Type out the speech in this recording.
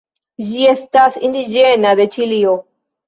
Ĝi estas indiĝena de Ĉilio.